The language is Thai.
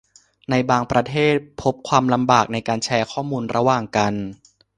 ในบางประเทศ พบความลำบากในการแชร์ข้อมูลระหว่างกัน